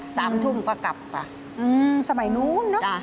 สามทุ่มก็กลับจ้ะอืมสมัยนู้นเนอะจ้ะ